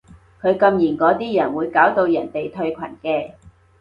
你禁言嗰啲人會搞到人哋退群嘅